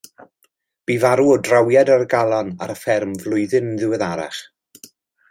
Bu farw o drawiad ar y galon ar y fferm flwyddyn yn ddiweddarach.